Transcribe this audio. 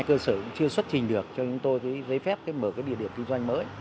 cơ sở chưa xuất trình được cho chúng tôi giấy phép mở địa điểm kinh doanh mới